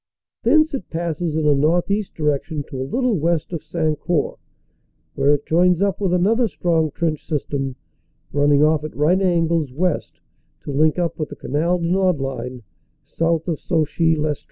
Thence it passes in a northeast direction to a little west of Sancourt, where it joins up with another strong trench system, running off at right angles west to link up with the Canal du Nord line south of Sauchy Lestree.